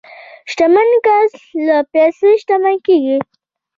شتمن کسان لا پسې شتمن کیږي.